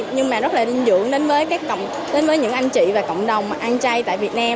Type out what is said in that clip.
nhưng mà rất linh dưỡng đến với những anh chị và cộng đồng ăn chay tại việt nam